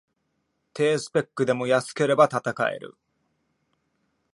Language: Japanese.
低スペックでも安ければ戦える